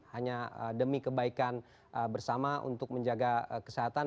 hanya demi kebaikan bersama untuk menjaga kesehatan